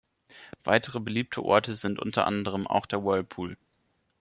Weitere beliebte Orte sind unter anderem auch der Whirlpool.